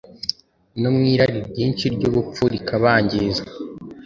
no mu irari ryinshi ryubupfu rikabangiza